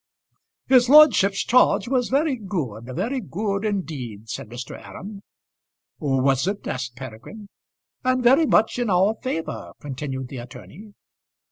"His lordship's charge was very good very good, indeed," said Mr. Aram. "Was it?" asked Peregrine. "And very much in our favour," continued the attorney.